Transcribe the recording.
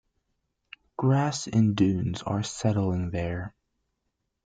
Grass and dunes are settling there.